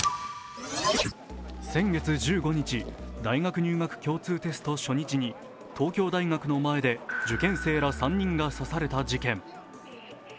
先月１５日、大学入学共通テスト初日に東京大学の前で受験生ら３人が刺された事件。